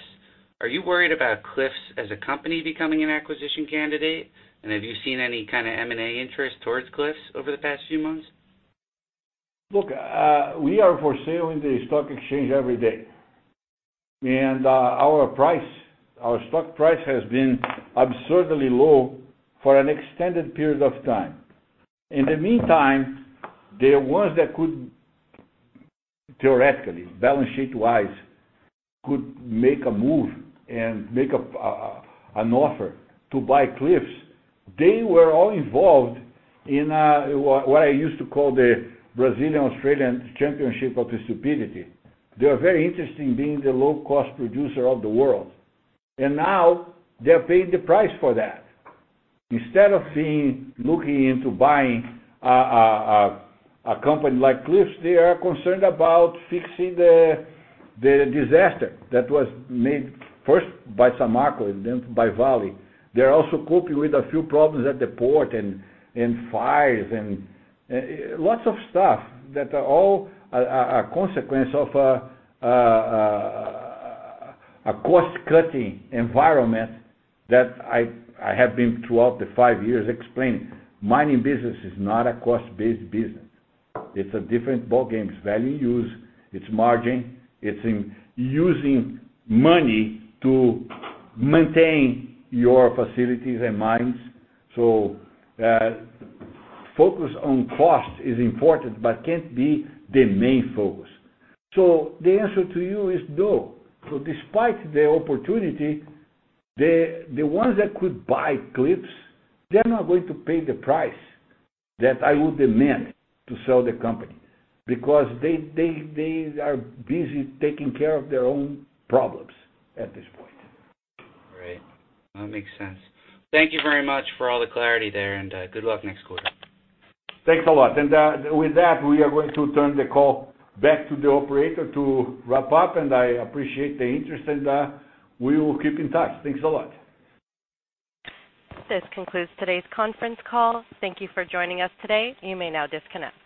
are you worried about Cliffs as a company becoming an acquisition candidate? Have you seen any kind of M&A interest towards Cliffs over the past few months? Look, we are for sale in the stock exchange every day. Our stock price has been absurdly low for an extended period of time. In the meantime, the ones that could theoretically, balance sheet wise, could make a move and make an offer to buy Cliffs, they were all involved in what I used to call the Brazilian Australian Championship of the Stupidity. They were very interested in being the low-cost producer of the world. Now they're paying the price for that. Instead of looking into buying a company like Cliffs, they are concerned about fixing the disaster that was made first by Samarco and then by Vale. They're also coping with a few problems at the port and fires and lots of stuff that are all a consequence of a cost-cutting environment that I have been throughout the five years explaining. Mining business is not a cost-based business. It's a different ballgame. It's value use, it's margin, it's in using money to maintain your facilities and mines. Focus on cost is important, but can't be the main focus. The answer to you is no. Despite the opportunity, the ones that could buy Cliffs, they're not going to pay the price that I would demand to sell the company because they are busy taking care of their own problems at this point. Right. That makes sense. Thank you very much for all the clarity there and, good luck next quarter. Thanks a lot. With that, we are going to turn the call back to the operator to wrap up and I appreciate the interest and we will keep in touch. Thanks a lot. This concludes today's conference call. Thank you for joining us today. You may now disconnect.